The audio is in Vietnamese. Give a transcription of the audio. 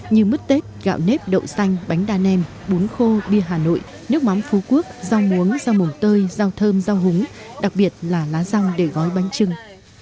như mứt tết gạo nếp đậu xanh bánh đa nem bún khô bia hà nội nước mắm phú quốc rau muống rau mổng tơi rau thơm rau húng đặc biệt là lá rong để gói bánh trưng